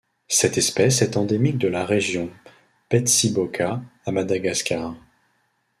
Cette espèce est endémique de la région Betsiboka à Madagascar.